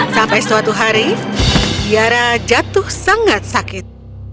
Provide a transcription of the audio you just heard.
sampai suatu hari kiara jatuh sangat sakit